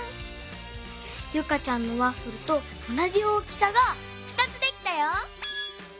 ユカちゃんのワッフルとおなじ大きさが２つできたよ！